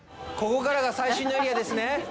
ここからが最新のエリアですね。